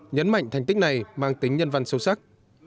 nhấn mạnh thành tích này mang tính nhân văn sâu sắc